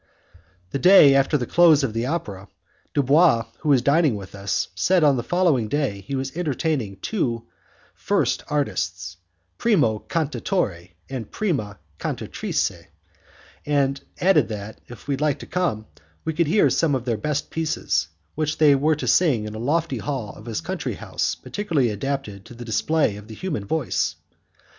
The day after the close of the opera, Dubois, who was dining with us, said that on the following day he was entertaining the two first artists, 'primo cantatore' and 'prima cantatrice', and added that, if we liked to come, we would hear some of their best pieces, which they were to sing in a lofty hall of his country house particularly adapted to the display of the human voice.